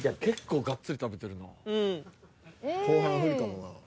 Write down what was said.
結構ガッツリ食べてるな。